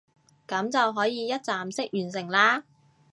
噉就可以一站式完成啦